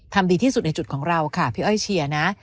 ดีที่สุดในจุดของเราค่ะพี่อ้อยเชียร์นะ